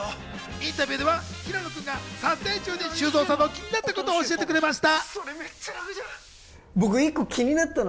インタビューでは平野君が撮影中に修造さんの気になったことを教えてくれました。